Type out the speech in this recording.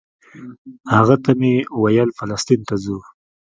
هغه ته مې ویل فلسطین ته ځو.